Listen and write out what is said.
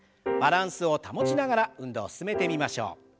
バランスを保ちながら運動を進めてみましょう。